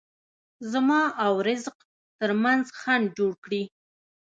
زما او رزق ترمنځ خنډ جوړ کړي.